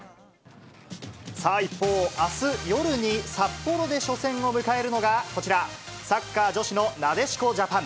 さあ、一方、あす夜に札幌で初戦を迎えるのが、こちら、サッカー女子のなでしこジャパン。